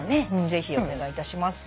ぜひお願いいたします。